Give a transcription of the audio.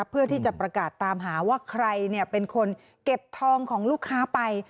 เพื่อที่จะประกาศตามหาว่าใครเป็นคนเก็บทองของลูกค้าไป